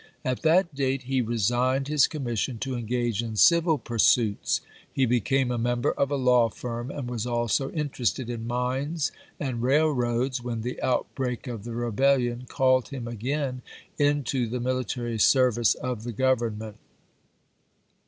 At that date he resigned his com mission to engage in civil pursuits. He became a member of a law firm, and was also interested in mines and railroads, when the outbreak of the Rebellion called him again into the military service of the Government.